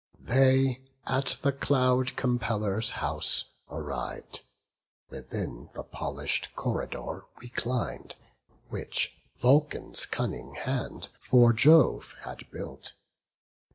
They, at the Cloud compeller's house arriv'd, Within the polish'd corridor reclin'd, Which Vulcan's cunning hand for Jove had built.